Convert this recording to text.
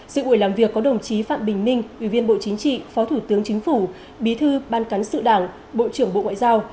dự buổi làm việc có đồng chí phạm bình minh ủy viên bộ chính trị phó thủ tướng chính phủ bí thư ban cán sự đảng bộ trưởng bộ ngoại giao